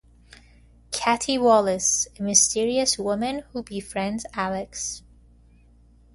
Katy Wallace: A mysterious woman who befriends Alex.